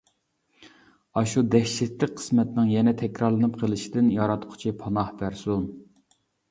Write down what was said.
ئاشۇ دەھشەتلىك قىسمەتنىڭ يەنە تەكرارلىنىپ قېلىشىدىن ياراتقۇچى پاناھ بەرسۇن!